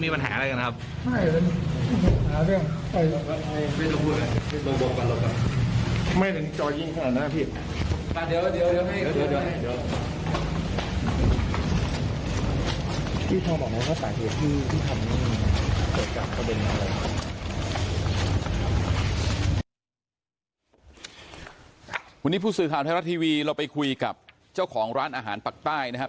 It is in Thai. วันนี้ผู้สื่อข่าวไทยรัฐทีวีเราไปคุยกับเจ้าของร้านอาหารปากใต้นะครับ